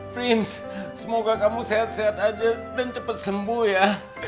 prince semoga kamu sehat sehat aja dan cepat sembuh ya